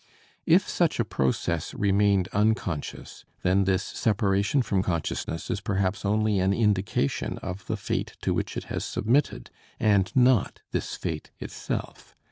If such a process remained unconscious, then this separation from consciousness is perhaps only an indication of the fate to which it has submitted and not this fate itself.